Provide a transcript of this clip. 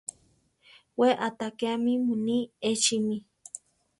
We aʼtakéame muní echi mí.